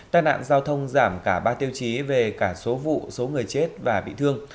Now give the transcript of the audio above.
tai nạn giao thông giảm cả ba tiêu chí về cả số vụ số người chết và bị thương